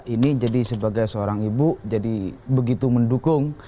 ini jadi sebagai seorang ibu jadi begitu mendukung